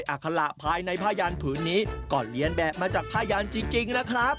อาคาระภายในผ้ายันผืนนี้ก็เรียนแบบมาจากผ้ายันจริงนะครับ